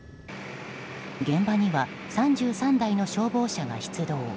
現場には、３３台の消防車が出動。